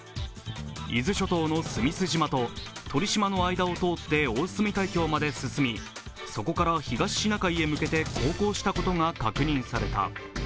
伊豆諸島の須美寿島と鳥島の間を通って大隅海峡まで進み、そこから東シナ海へ向けて航行したことが確認された。